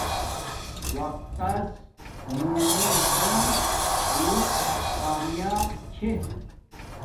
وقت تس مونی نے انگ بوت کامیاپ چھے